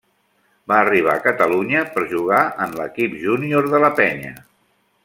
Va arribar a Catalunya per jugar en l'equip júnior de la Penya.